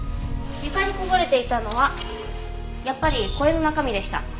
床にこぼれていたのはやっぱりこれの中身でした。